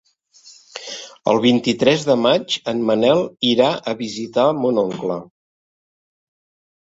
El vint-i-tres de maig en Manel irà a visitar mon oncle.